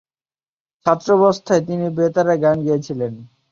ছাত্রাবস্থায় তিনি বেতারে গান গেয়েছিলেন।